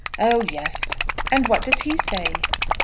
"Oh, yes." "And what does he say?"